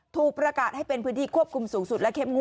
ถูกประกาศให้เป็นพื้นที่ควบคุมสูงสุดและเข้มง่